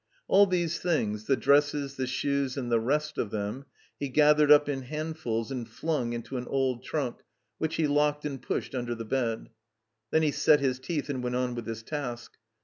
All these things, the dresses, the shoes, and the rest of them, he gathered up in handfuls and flung into an old trunk which he locked and pushed imder the bed. Then he set his teeth and went on with his task.